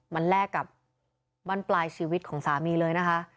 มันแลกกับบ้านปลายชีวิตของสามีเลยนะคะ